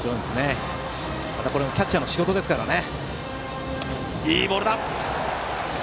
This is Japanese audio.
これもキャッチャーの仕事ですからね。